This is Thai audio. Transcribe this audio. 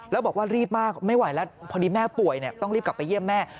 แล้วบอกว่ารีบมากไม่ไหวแล้วพอดีแม่ป่วยต้องรีบกลับไปเยี่ยมแม่